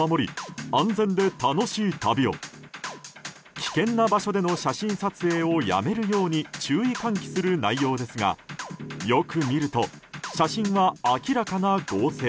危険な場所での写真撮影をやめるように注意喚起する内容ですがよく見ると写真は明らかな合成。